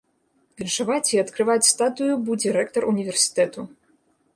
Віншаваць і адкрываць статую будзе рэктар універсітэту.